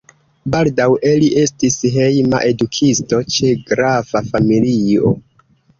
Baldaŭe li estis hejma edukisto ĉe grafa familio.